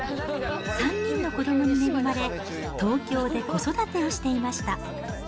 ３人の子どもに恵まれ、東京で子育てをしていました。